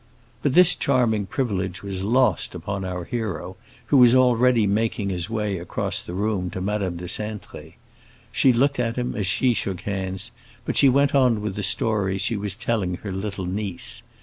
But this charming privilege was lost upon our hero, who was already making his way across the room to Madame de Cintré. She looked at him as she shook hands, but she went on with the story she was telling her little niece.